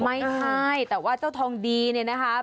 ไม่ใช่แต่ว่าเจ้าทองดีเนี่ยนะคะ